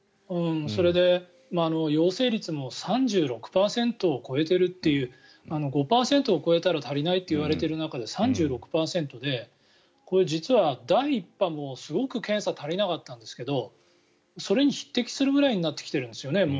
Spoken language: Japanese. それで陽性率も３６％を超えているという５％を超えたら足りないといわれている中で３６％で、これ実は第１波もすごく検査足りなかったんですがそれに匹敵するぐらいになってきているんですよね